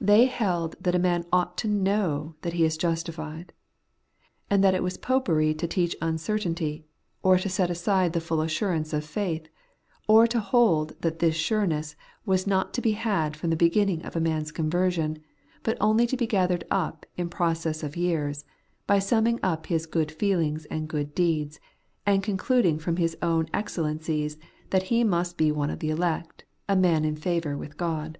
They held that a man ought to know that he is justified ; and that it was Popery to teach uncertainty, or to set aside the full assurance of faith, or to hold that this sureness was not to be had from the beginning of a man's conversion, but only to be gathered up in process of years, by summing up his good feelings and good deeds, and concluding from his own excel lences that he must be one of the elect, a man in favour with God.